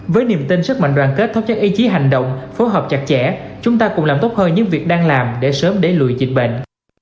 với niềm tin sức mạnh đoàn kết thống nhất ý chí hành động phối hợp chặt chẽ chúng ta cùng làm tốt hơn những việc đang làm để sớm đẩy lùi dịch bệnh